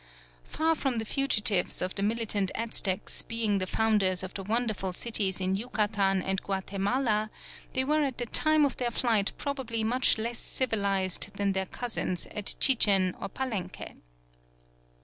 Far from the fugitives from the militant Aztecs being the founders of the wonderful cities in Yucatan and Guatemala, they were at the time of their flight probably much less civilised than their cousins at Chichen or Palenque.